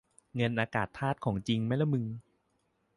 เงินอากาศธาตุของจริงมั้ยล่ะมึง